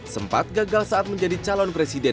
sempat gagal saat menjadi calon presiden